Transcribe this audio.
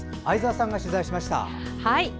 相沢さんが取材しました。